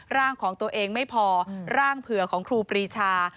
ร่างของตัวเองไม่พอร่างเผื่อของครูปรีชา